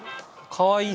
かわいい。